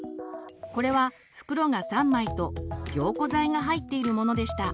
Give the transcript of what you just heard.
これは袋が３枚と凝固剤が入っているものでした。